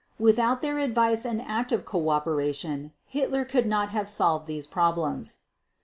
_ Without their advice and active cooperation, Hitler could not have solved these problems.